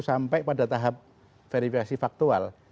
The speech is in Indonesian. sampai pada tahap verifikasi faktual